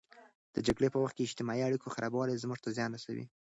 د جګړې په وخت کې د اجتماعي اړیکو خرابوالی زموږ ته زیان رسوي.